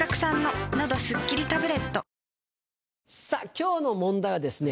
今日の問題はですね